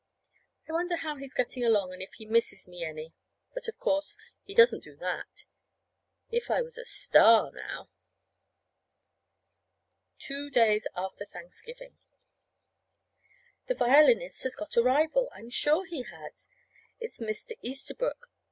I wonder how he's getting along, and if he misses me any. But of course, he doesn't do that. If I was a star, now !Two days after Thanksgiving. The violinist has got a rival. I'm sure he has. It's Mr. Easterbrook.